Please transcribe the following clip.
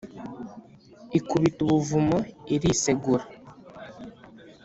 ikubita ubuvumo irisegura.